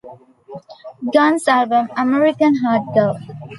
Guns album "American Hardcore".